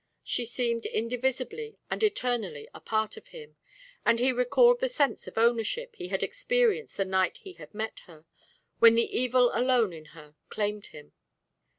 She seemed indivisibly and eternally a part of him, and he recalled the sense of ownership he had experienced the night he had met her, when the evil alone in her claimed him.